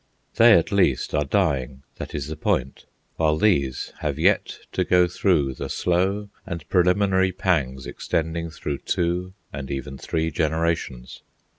They, at least, are dying, that is the point; while these have yet to go through the slow and preliminary pangs extending through two and even three generations.